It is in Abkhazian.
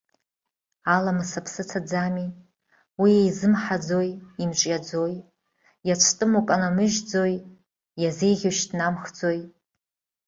Аламыс аԥсы ҭаӡами, уи еизымҳаӡои, имҿиаӡои, иацәтәыму канамыжьӡои, иазеиӷьу шьҭнамхӡои?